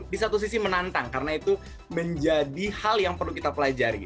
di satu sisi menantang karena itu menjadi hal yang perlu kita pelajari